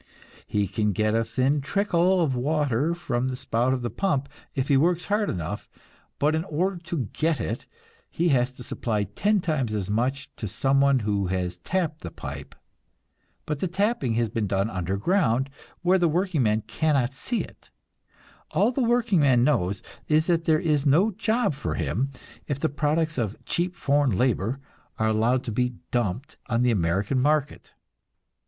He can get a thin trickle of water from the spout of the pump if he works hard enough, but in order to get it he has to supply ten times as much to some one who has tapped the pipe. But the tapping has been done underground, where the workingman cannot see it. All the workingman knows is that there is no job for him if the products of "cheap foreign labor" are allowed to be "dumped" on the American market.